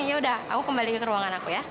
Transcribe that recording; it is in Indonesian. ya udah aku kembali ke ruangan aku ya